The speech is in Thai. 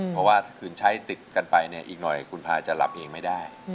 เพราะว่าถ้าคืนใช้ติดกันไปเนี่ยอีกหน่อยคุณพาจะหลับเองไม่ได้